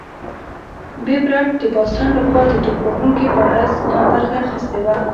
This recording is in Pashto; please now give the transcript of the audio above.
بېب رت د باسټن لخوا د توپ وهونکي په حیث برخه اخیستې وه.